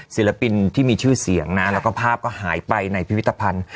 ศิลปินที่มีชื่อเสียงนะแล้วก็ภาพก็หายไปในพิพิธภัณฑ์